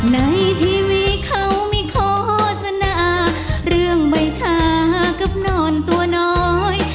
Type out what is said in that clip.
ในทีวีเขาไม่โฆษณาเรื่องใบชากับนอนตัวน้อย